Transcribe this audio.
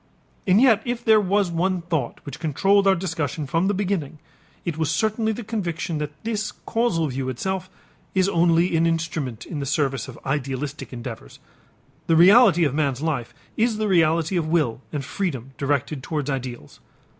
And yet if there was one thought which controlled our discussion from the beginning, it was certainly the conviction that this causal view itself is only an instrument in the service of idealistic endeavors; the reality of man's life is the reality of will and freedom directed towards ideals.